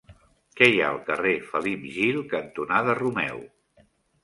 Què hi ha al carrer Felip Gil cantonada Romeu?